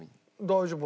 大丈夫。